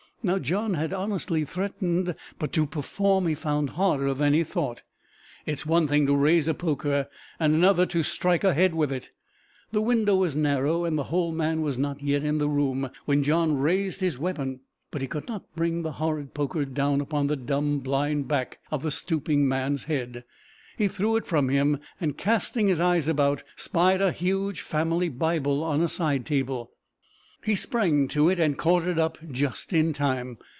Now John had honestly threatened, but to perform he found harder than he had thought: it is one thing to raise a poker, and another to strike a head with it. The window was narrow, and the whole man was not yet in the room, when John raised his weapon; but he could not bring the horrid poker down upon the dumb blind back of the stooping man's head. He threw it from him, and casting his eyes about, spied a huge family bible on a side table. He sprang to it, and caught it up just in time.